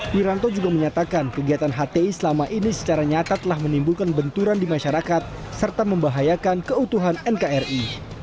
wiranto juga menyatakan kegiatan hti selama ini secara nyata telah menimbulkan benturan di masyarakat serta membahayakan keutuhan nkri